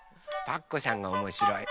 パクこさんがおもしろい。